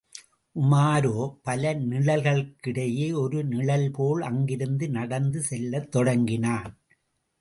உமாரோ, பல நிழல்களுக்கிடையே ஒரு நிழல்போல் அங்கிருந்து நடந்து செல்லத் தொடங்கினான்.